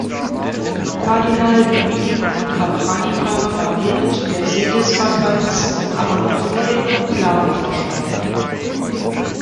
Kardinal Domenico Capranica war während der Sedisvakanz, aber noch vor dem Konklave, verstorben.